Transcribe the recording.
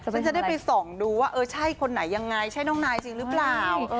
ฉันจะได้ไปส่องดูว่าเออใช่คนไหนยังไงใช่น้องนายจริงหรือเปล่า